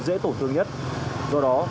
dễ tổn thương nhất do đó